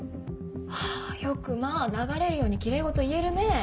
ハァよくまぁ流れるようにきれい事言えるねぇ。